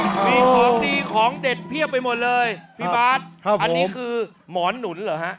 มีของดีของเด็ดเพียบไปหมดเลยพี่บาทครับอันนี้คือหมอนหนุนเหรอฮะ